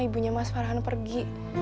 ibunya mas farhan pergi